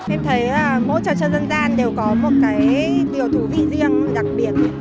em thấy mỗi trò chơi dân gian đều có một cái điều thú vị riêng đặc biệt